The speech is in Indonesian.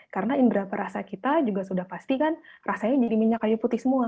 karena indera perasa kita juga sudah pasti kan rasanya jadi minyak kayu putih semua